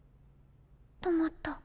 止まった。